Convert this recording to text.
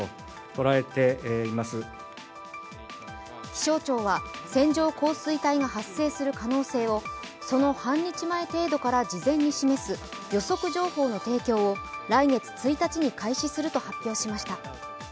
気象庁は線状降水帯が発生する可能性をその半日前程度から事前に示す予測情報の提供を来月１日に開始すると発表しました。